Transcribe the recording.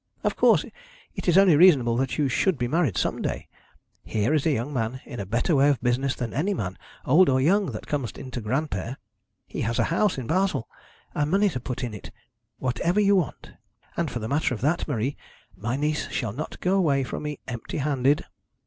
Of course, it is only reasonable that you should be married some day. Here is a young man in a better way of business than any man, old or young, that comes into Granpere. He has a house in Basle, and money to put in it whatever you want. And for the matter of that, Marie, my niece shall not go away from me empty handed.'